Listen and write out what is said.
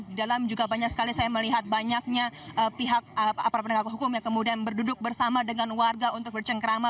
di dalam juga banyak sekali saya melihat banyaknya pihak aparat penegak hukum yang kemudian berduduk bersama dengan warga untuk bercengkrama